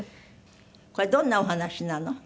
これどんなお話なの？